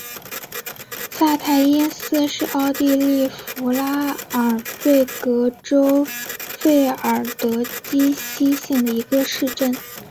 萨泰因斯是奥地利福拉尔贝格州费尔德基希县的一个市镇。